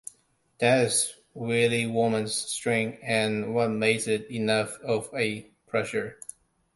That's really 'Women's' strength, and what makes it enough of a pleasure.